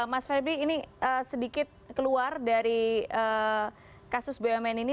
mas febri ini sedikit keluar dari kasus bumn ini